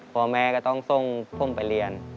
พ่อแม่ก็ต้องส่งผมไปเรียน